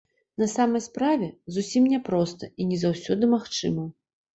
На самай справе, зусім няпроста і не заўсёды магчыма.